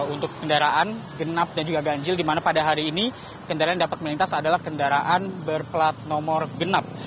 untuk kendaraan genap dan juga ganjil dimana pada hari ini kendaraan yang dapat melintas adalah kendaraan berplat nomor genap